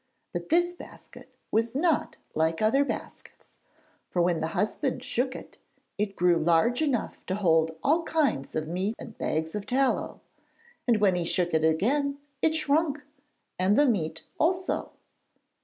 But this basket was not like other baskets, for when the husband shook it, it grew large enough to hold all kinds of meat and bags of tallow, and when he shook it again, it shrunk and the meat also.